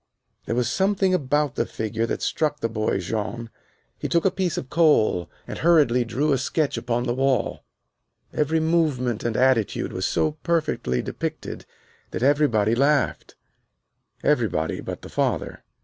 There was something about the figure that struck the boy Jean. He took a piece of charcoal and hurriedly drew a sketch upon the wall. Every movement and attitude was so perfectly depicted that everybody laughed everybody but the father.